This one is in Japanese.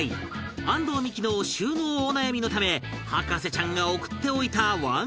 安藤美姫の収納お悩みのため博士ちゃんが送っておいたワンコイングッズは